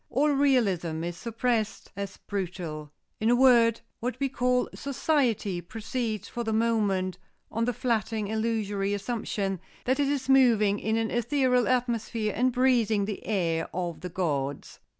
All realism is suppressed as brutal. In a word, what we call 'society' proceeds for the moment on the flattering illusory assumption that it is moving in an ethereal atmosphere and breathing the air of the gods.